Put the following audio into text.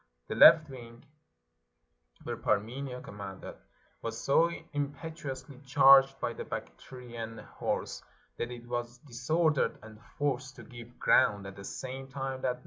The left wing, where Parmenio commanded, was so impetu ously charged by the Bactrian horse that it was disor dered and forced to give ground, at the same time that